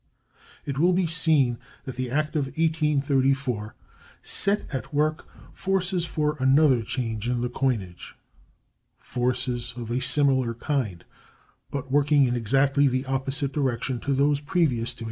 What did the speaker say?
It will be seen that the act of 1834 set at work forces for another change in the coinage—forces of a similar kind, but working in exactly the opposite direction to those previous to 1834.